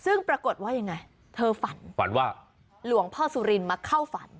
ซึ่งปรากฏว่ายังไงเธอฝันฝันว่าหลวงพ่อสุรินมาเข้าฝัน